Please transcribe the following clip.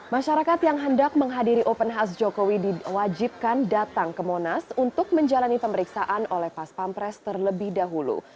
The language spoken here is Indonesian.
masyarakat yang hendak menghadiri open house jokowi diwajibkan datang ke monas untuk menjalani pemeriksaan oleh pas pampres terlebih dahulu